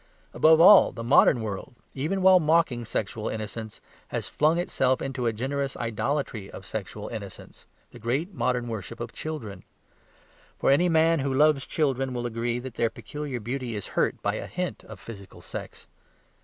Above all, the modern world (even while mocking sexual innocence) has flung itself into a generous idolatry of sexual innocence the great modern worship of children. For any man who loves children will agree that their peculiar beauty is hurt by a hint of physical sex.